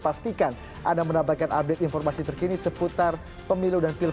pastikan anda mendapatkan update informasi terkini seputar pemilu dan pilpres